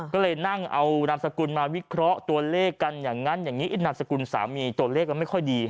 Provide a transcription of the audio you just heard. ก็เลยนั่งเอานามสกุลมาวิเคราะห์ตัวเลขกันอย่างนั้นอย่างนี้นามสกุลสามีตัวเลขก็ไม่ค่อยดี